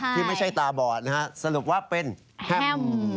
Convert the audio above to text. ที่ไม่ใช่ตาบอดนะฮะสรุปว่าเป็นแฮม